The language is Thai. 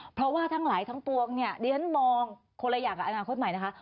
เพราะว่าทั้งหลายทั้งปวงเนี่ยดิฉันมองคนละอย่างกับอนาคตใหม่นะคะ